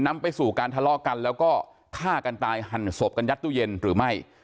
นำไปสู่การทะเลาะกันแล้วก็ฆ่ากันตายหั่นศพกันยัดตู้เย็นหรือไม่